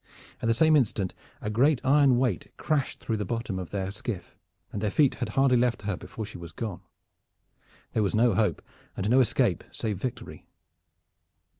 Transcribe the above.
At the same instant a great iron weight crashed through the bottom of their skiff, and their feet had hardly left her before she was gone. There was no hope and no escape save victory.